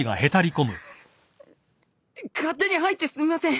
勝手に入ってすみません！